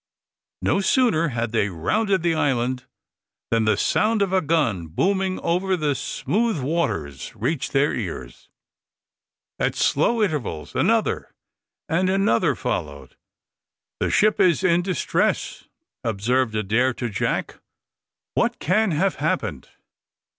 No sooner had they rounded the island than the sound of a gun, booming over the smooth waters, reached their ears. At slow intervals another and another followed. "The ship is in distress," observed Adair to Jack. "What can have happened?"